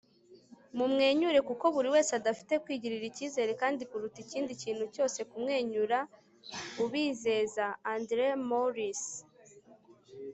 mumwenyure, kuko buri wese adafite kwigirira ikizere kandi kuruta ikindi kintu cyose kumwenyura ubizeza. - andre maurois